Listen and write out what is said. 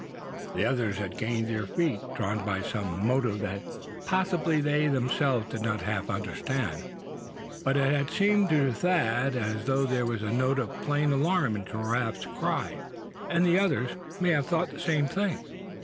The others had gained their feet, drawn by some motive that possibly they themselves did not half understand; but it had seemed to Thad as though there was a note of sudden alarm in Giraffe's cry; and the others may have thought the same thing.